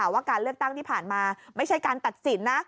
ว่าการเลือกตั้งที่ผ่านมาไม่ใช่การตัดสินนะ